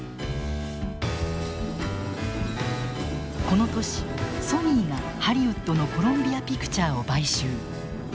この年ソニーがハリウッドのコロンビアピクチャーを買収。